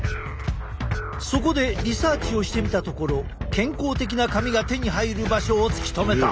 そこでリサーチをしてみたところ健康的な髪が手に入る場所を突き止めた！